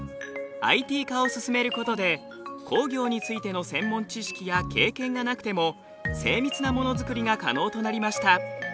ＩＴ化を進めることで工業についての専門知識や経験がなくても精密なもの作りが可能となりました。